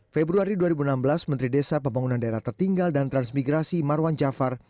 februari dua ribu enam belas menteri desa pembangunan daerah tertinggal dan transmigrasi marwan jafar